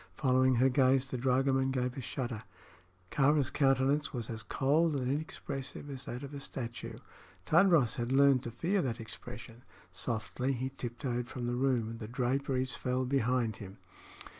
Following her gaze, the dragoman gave a shudder. Kāra's countenance was as cold and inexpressive as that of a statue. Tadros had learned to fear that expression. Softly he tiptoed from the room, and the draperies fell behind him.